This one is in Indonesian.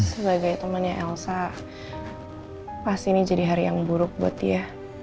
sebagai temannya elsa pasti ini jadi hari yang buruk buat dia